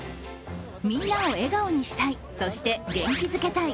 みんなを笑顔にしたい、そして元気づけたい。